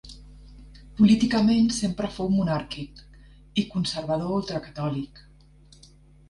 Políticament sempre fou monàrquic i conservador ultracatòlic.